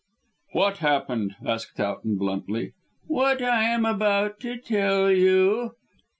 "What happened?" asked Towton bluntly. "What I am about to tell you.